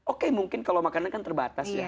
oke mungkin kalau makanan kan terbatas ya